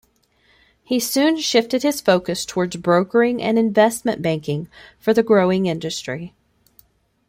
He soon shifted his focus towards brokering and investment banking for the growing industry.